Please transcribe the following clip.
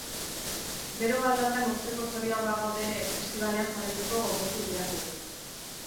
Bero galdatan urtzeko zorian bagaude ere, festibalean jarraitzeko gogotsu dihardugu.